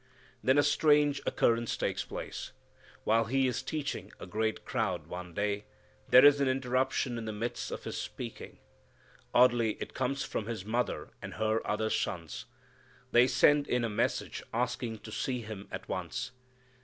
Then a strange occurrence takes place. While He is teaching a great crowd one day, there is an interruption in the midst of His speaking Oddly, it comes from His mother and her other sons. They send in a message asking to see Him at once.